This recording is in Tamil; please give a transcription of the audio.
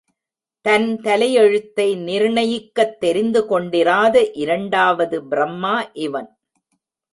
தன் தலையெழுத்தை நிர்ணயிக்கத் தெரிந்து கொண்டிராத இரண்டாவது பிரம்மா இவன்.